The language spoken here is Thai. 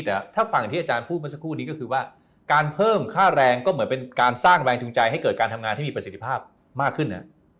แต่ถ้าฟังที่อาจารย์พูดเมื่อสักครู่นี้ก็คือว่าการเพิ่มค่าแรงก็เหมือนเป็นการสร้างแรงจูงใจให้เกิดการทำงานที่มีประสิทธิภาพมากขึ้น